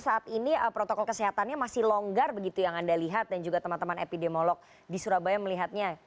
saat ini protokol kesehatannya masih longgar begitu yang anda lihat dan juga teman teman epidemiolog di surabaya melihatnya